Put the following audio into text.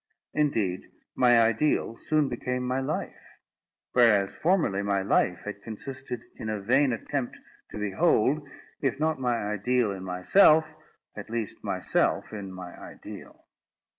Indeed, my ideal soon became my life; whereas, formerly, my life had consisted in a vain attempt to behold, if not my ideal in myself, at least myself in my ideal.